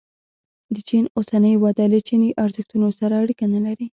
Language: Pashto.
د چین اوسنۍ وده له چیني ارزښتونو سره اړیکه نه لري.